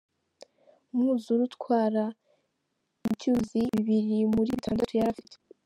Umwuzure utwara ibyuzi bibiri muri bitandatu yari afite.